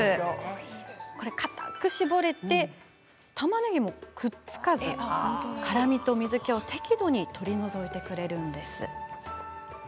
固く絞れてたまねぎもくっつかず辛みと水けを適度に取り除いてくれます。